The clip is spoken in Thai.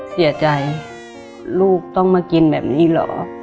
เสียใจลูกต้องมากินแบบนี้เหรอ